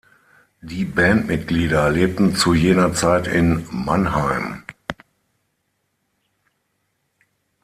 Die Bandmitglieder lebten zu jener Zeit in Mannheim.